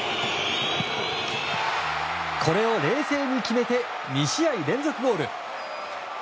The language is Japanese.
これを冷静に決めて２試合連続ゴール。